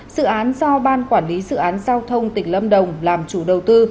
dự án do ban quản lý dự án giao thông tỉnh lâm đồng làm chủ đầu tư